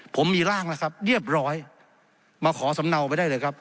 ผมมีร่างแล้วครับเรียบร้อยมาขอสำเนาไปได้เลยครับ